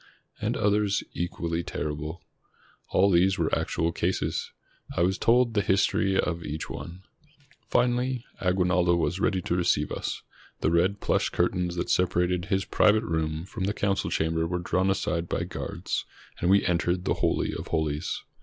And others equally terrible. All these were actual cases. I was told the history of each one. Finally Aguinaldo was ready to receive us. The red plush curtains that separated his private room from the council chamber were drawn aside by guards, and we entered the holy of holies.